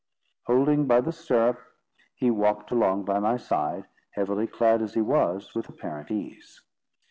Holding by the stirrup, he walked along by my side, heavily clad as he was, with apparent ease.